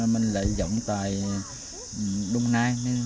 mình lại dùng tại đông nai